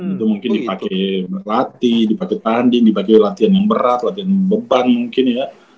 itu mungkin dipake berlatih dipake tanding dipake latihan yang berat latihan beban mungkin ya